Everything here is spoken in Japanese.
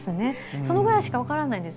そのくらいしか分からないんです。